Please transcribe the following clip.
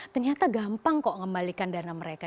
ternyata gampang kok ngembalikan dana mereka